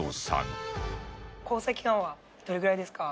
交際期間はどれぐらいですか？